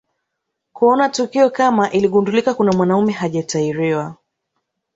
Kuona tukio kama iligundulika kuna mwanamume hajatahiriwa